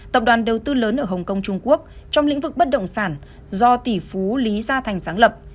tập đoàn đầu tư lớn ở hồng kông trung quốc trong lĩnh vực bất động sản do tỷ phú lý gia thành sáng lập